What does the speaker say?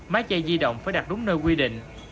máy chạy di động phải đặt đúng nơi quy định